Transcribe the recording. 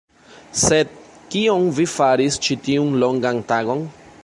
Sed, kion vi faris ĉi tiun longan tagon?